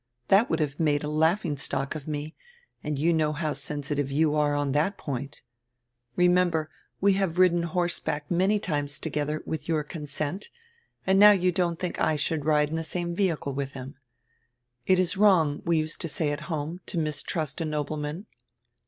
That would have made a laughing stock of me, and you know how sensitive you are on diat point. Remember, we have ridden horseback many times together, with your consent, and now you don't diink I should ride in the same vehicle widi him. It is wrong, we used to say at home, to mistrust a nobleman."